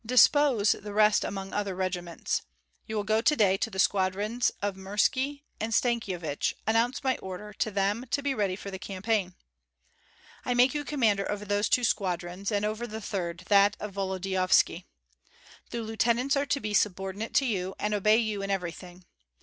Dispose the rest among other regiments. You will go to day to the squadrons of Mirski and Stankyevich, announce my order, to them to be ready for the campaign. I make you commander over those two squadrons, and over the third, that of Volodyovski. The lieutenants are to be subordinate to you and obey you in everything.